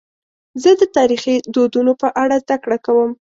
زه د تاریخي دودونو په اړه زدهکړه کوم.